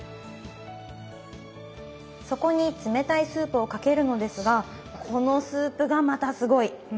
そこに冷たいスープをかけるのですがこのスープがまたすごい。